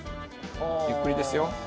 ゆっくりですよ。